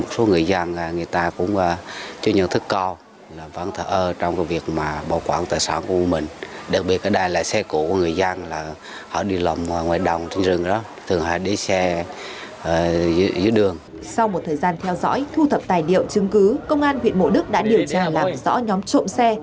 sau một thời gian theo dõi thu thập tài liệu chứng cứ công an huyện mộ đức đã điều tra làm rõ nhóm trộm xe